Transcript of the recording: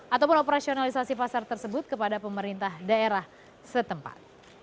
ataupun operasionalisasi pasar tersebut kepada pemerintah daerah setempat